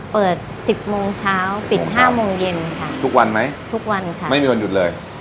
สิบโมงเช้าปิดห้าโมงเย็นค่ะทุกวันไหมทุกวันค่ะไม่มีวันหยุดเลย